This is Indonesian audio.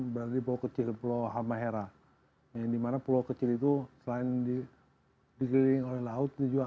berada di pulau kecil pulau hamahera yang dimana pulau kecil itu selain dikelilingi oleh laut dia juga